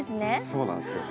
そうなんですよ。